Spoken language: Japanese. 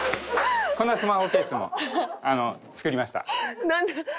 こんなスマホケースも作りました。